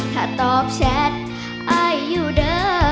ถ้าตอบแชทอายอยู่เด้อ